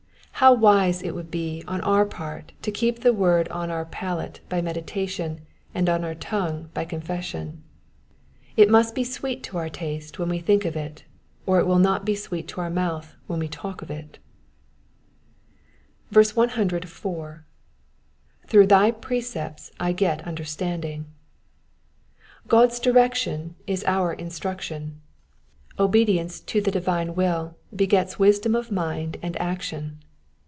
How wise it will be on our part to keep the word on our palate by meditation and on our tongue by confession. It must be sweet to our taste when we think of it, or it will not be sweet to our mouth when we talk of it. 104. '^Through thy precepts I get understanding.^^ God's direction is our instruction. Obedience to the divine will begets wisdom of mind and Digitized by VjOOQIC 232 EXPOSITIOKS OF THS PSALXS. action.